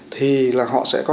thì là họ sẽ có